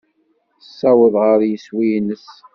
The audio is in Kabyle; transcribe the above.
Tessaweḍ ɣer yeswi-nnes.